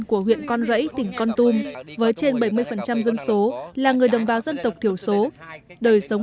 của huyện con rẫy tỉnh con tum với trên bảy mươi dân số là người đồng bào dân tộc thiểu số đời sống